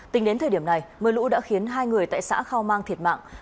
tính đến thời điểm này mưa lũ đã khiến hai người tại xã khao mang thiệt mạng